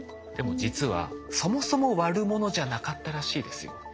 でも実はそもそも悪者じゃなかったらしいですよ。